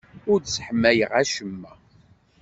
Ur d-sseḥmayeɣ acemma.